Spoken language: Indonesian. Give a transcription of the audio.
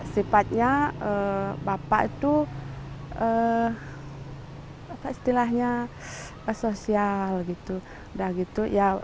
sifatnya bapak itu apa istilahnya sosial gitu ya